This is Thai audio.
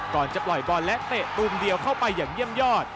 ก่อนจะปล่อยบอลและเตะตูมเดียวเข้าไปอย่างเยี่ยมยอด